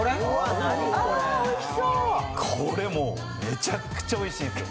これもうめちゃくちゃおいしいんですよ。